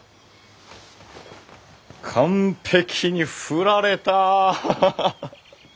完璧に振られた。